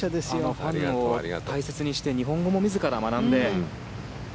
ファンを大切にして日本語も自ら学んで。